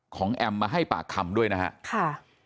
แอมมาให้ปากคำด้วยนะครับ